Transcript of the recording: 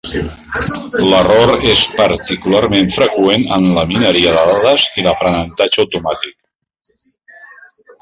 L'error és particularment freqüent en la mineria de dades i l'aprenentatge automàtic.